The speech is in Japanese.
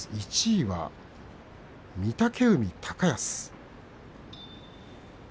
１位は御嶽海と高安。